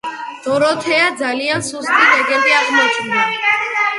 დოროთეა ძალიან სუსტი რეგენტი აღმოჩნდა.